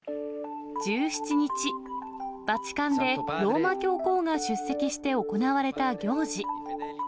１７日、バチカンでローマ教皇が出席して行われた行事。